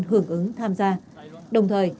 hưởng ứng tham gia đồng thời